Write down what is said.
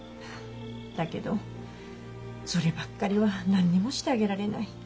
だけどそればっかりは何にもしてあげられない。